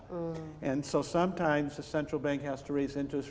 jadi kadang kadang bank tengah harus menaiki harga keuntungan